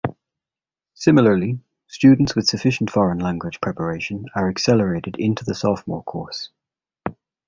Similarly, students with sufficient foreign language preparation are accelerated into the sophomore course.